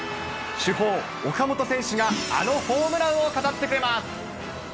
主砲、岡本選手があのホームランを語ってくれます。